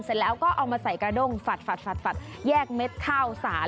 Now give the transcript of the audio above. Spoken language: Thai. เสร็จแล้วก็เอามาใส่กระด้งฝัดแยกเม็ดข้าวสาร